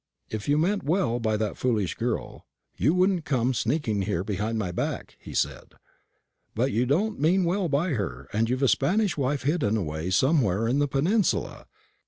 'If you meant well by that foolish girl, you wouldn't come sneaking here behind my back,' he said; 'but you don't mean well by her, and you've a Spanish wife hidden away somewhere in the Peninsula.'